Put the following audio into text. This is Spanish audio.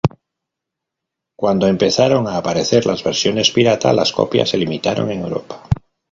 Cuando empezaron a aparecer las versiones pirata, las copias se limitaron en Europa.